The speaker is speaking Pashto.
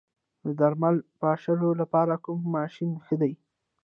د درمل پاشلو لپاره کوم ماشین ښه دی؟